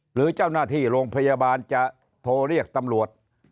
หรือเจ้าหน้าที่โรงพยาบาลจะโทรเรียกตำรวจ